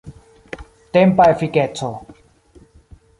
Tempa efikeco.